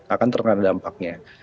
akan terkena dampaknya